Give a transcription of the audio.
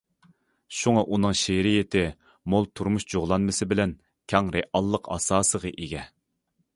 شۇڭا ئۇنىڭ شېئىرىيىتى مول تۇرمۇش جۇغلانمىسى بىلەن كەڭ رېئاللىق ئاساسىغا ئىگە.